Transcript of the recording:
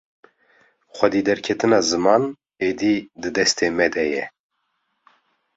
Xwedî derketina ziman êdî di destê me de ye.